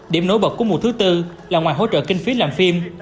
điểm nối bật của mùa thứ tư là ngoài hỗ trợ kinh phí làm phim